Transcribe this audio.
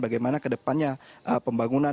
bagaimana ke depannya pembangunan